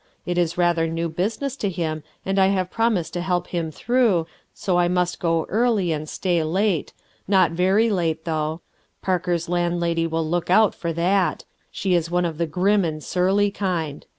It is rather new business to him and I have promised to help him through, so I must go early and stay late — not very late, though. Parker's land lady will look out for that; she is one of the grim and surly kind.